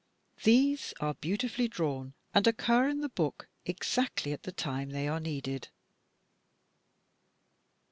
These are beautifully drawn, and occur in the book exactly at the time they are needed.